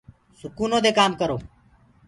سُکونو دي ڪآم ڪرو۔